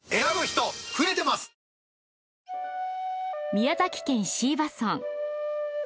宮崎県椎葉村。